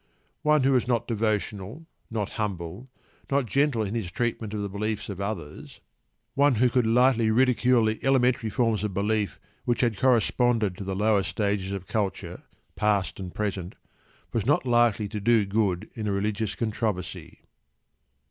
One who was not devotional, not humble, not gentle in his treatment of the beliefs of others, one who could lightly ridicule the elementary forms of belief which had corresponded to the lower stages of culture, past and present, was not likely to do good in a religious controversy.